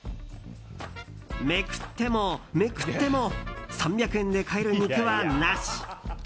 めくってもめくっても３００円で買える肉はなし。